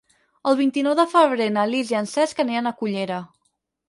El vint-i-nou de febrer na Lis i en Cesc aniran a Cullera.